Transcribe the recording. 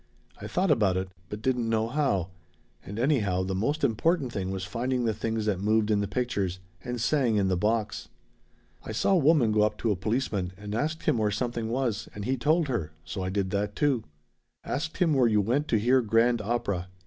I thought about it, but didn't know how, and anyhow the most important thing was finding the things that moved in the pictures and sang in the box. "I saw a woman go up to a policeman and ask him where something was and he told her, so I did that, too. Asked him where you went to hear grand opera.